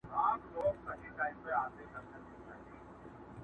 سور سالو يې د لمبو رنګ دی اخيستى؛